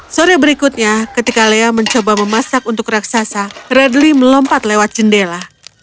sore berikutnya ketika lea mencoba memasak untuk raksasa radly melompat lewat jendela